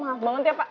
maaf banget ya pak